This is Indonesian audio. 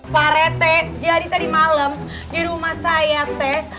pak rete jadi tadi malam di rumah saya teh